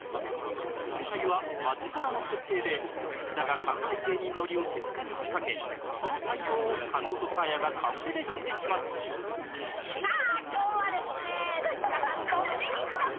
今回は街ブラの設定で福田が関西芸人ノリを手塚に仕掛けその対応を加納とサーヤがカンペで指示しますさあ今日はですね